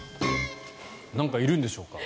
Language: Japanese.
なんかいるんでしょうか？